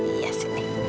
iya sih nek